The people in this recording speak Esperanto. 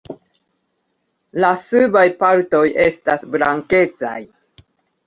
La subaj partoj estas blankecaj.